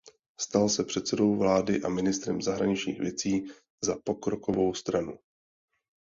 Stal se předsedou vlády a ministrem zahraničních věcí za pokrokovou stranu.